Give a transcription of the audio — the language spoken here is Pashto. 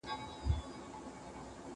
که وخت وي، مځکي ته ګورم؟